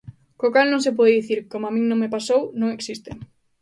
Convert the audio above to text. Co cal non se pode dicir: como a min non me pasou, non existe.